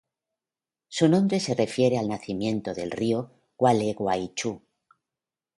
Su nombre refiere al nacimiento del río Gualeguaychú.